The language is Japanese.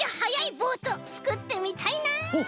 ボートつくってみたいなあ！